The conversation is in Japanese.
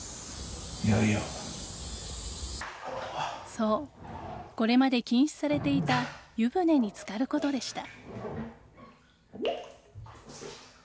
そう、これまで禁止されていた湯船に漬かることでした。